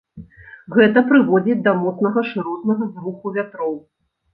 Гэта прыводзіць да моцнага шыротнага зруху вятроў.